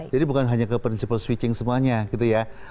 jadi bukan hanya ke prinsipal switching semuanya gitu ya